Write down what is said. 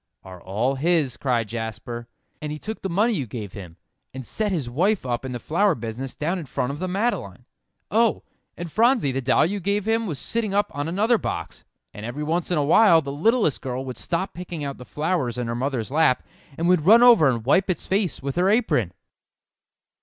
"Are all his," cried Jasper, "and he took the money you gave him, and set his wife up in the flower business down in front of the Madeleine. Oh! and Phronsie, the doll you gave him was sitting up on another box, and every once in a while the littlest girl would stop picking out the flowers in her mother's lap, and would run over and wipe its face with her apron."